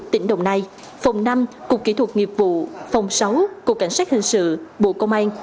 tỉnh đồng nai phòng năm cục kỹ thuật nghiệp vụ phòng sáu cục cảnh sát hình sự bộ công an